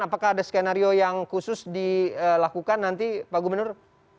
apakah ada skenario yang khusus dilakukan nanti pak gubernur